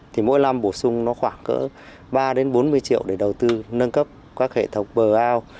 thì mỗi năm bổ sung nó khoảng cỡ ba bốn mươi triệu để đầu tư nâng cấp các hệ thống bờ ao